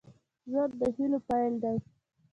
ژوند د هيلو پيل دی